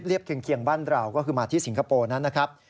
เคียงบ้านเราก็คือมาที่สิงคโปร์นั้นนะครับ